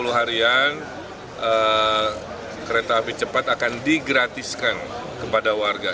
sepuluh harian kereta api cepat akan digratiskan kepada warga